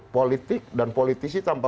politik dan politisi tanpa